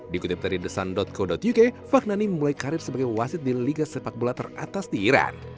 dikutip dari desain co uk faknani memulai karir sebagai wasit di liga sepak bola teratas di iran